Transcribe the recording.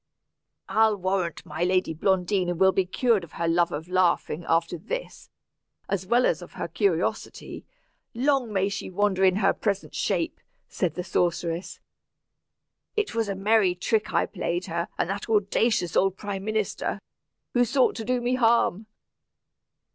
"I'll warrant my lady Blondina will be cured of her love of laughing, after this as well as of her curiosity. Long may she wander in her present shape," said the sorceress. "It was a merry trick I played her and that audacious old prime minister, who sought to do me harm."